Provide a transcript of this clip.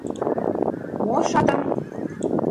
Мо шатын!..